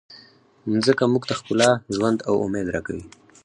مځکه موږ ته ښکلا، ژوند او امید راکوي.